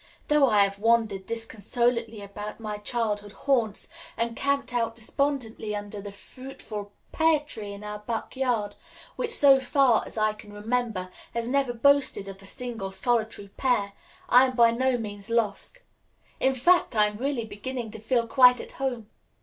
Though I have wandered disconsolately about my childhood haunts and camped out despondently under the fruitful pear tree in our back yard, which, so far as I can remember, has never boasted of a single solitary pear, I am by no means lost. In fact, I am really beginning to feel quite at home.